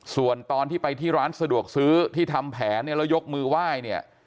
ส่วนตอนที่ไปที่ร้านสะดวกซื้อที่ทำแผนเนี่ยแล้วยกมือไหว้เนี่ย